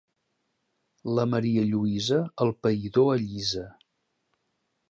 La marialluïsa el païdor allisa.